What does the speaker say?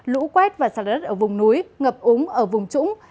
lũ quét và sạt lở đất ở vùng núi ngập úng ở vùng trũng